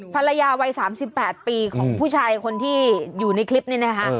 ภรรยาวัย๓๘ปีของผู้ชายคนที่อยู่ในคลิปนี้นะคะ